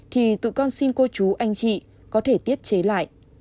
thì tự con xin cô chú anh chị có thể tiết chế lại